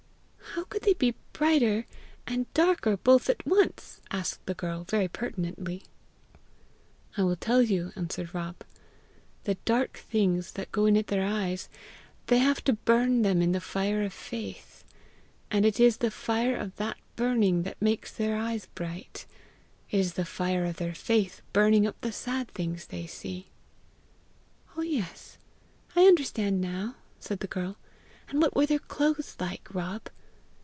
"How could they be brighter and darker both at once?" asked the girl, very pertinently. "I will tell you," answered Rob. "The dark things that go in at their eyes, they have to burn them in the fire of faith; and it is the fire of that burning that makes their eyes bright; it is the fire of their faith burning up the sad things they see." "Oh, yes! I understand now!" said the girl. "And what were their clothes like, Rob?"